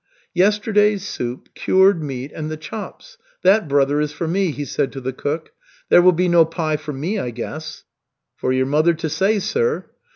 "Yesterday's soup, cured meat, and the chops that, brother, is for me," he said to the cook. "There will be no pie for me, I guess." "For your mother to say, sir."